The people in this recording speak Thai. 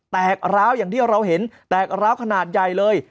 กร้าวอย่างที่เราเห็นแตกร้าวขนาดใหญ่เลย